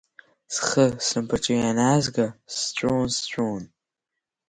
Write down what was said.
Схы-снапаҿы ианаазга, сҵәуон, сҵәуон!